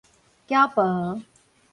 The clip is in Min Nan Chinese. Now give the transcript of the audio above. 筊婆